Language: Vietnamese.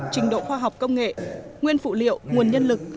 trình độ khoa học công nghệ nguyên phụ liệu nguồn nhân lực